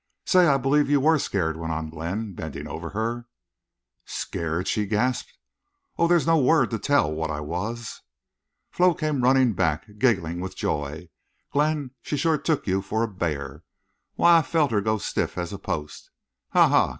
"Say, I believe you were scared," went on Glenn, bending over her. "Scar ed!" she gasped. "Oh—there's no word—to tell—what I was!" Flo came running back, giggling with joy. "Glenn, she shore took you for a bear. Why, I felt her go stiff as a post!... Ha! Ha!